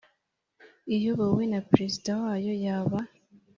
Iyobowe na perezida wayo yaba